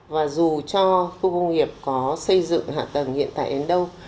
và dù cho khu công nghiệp có xây dựng hạ tầng hiện tại đến đâu